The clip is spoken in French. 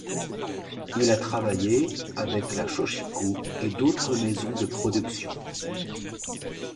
Il a travaillé avec la Shōchiku et d'autres maisons de production.